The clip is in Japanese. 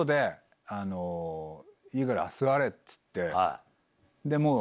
いいから座れ！」っつって。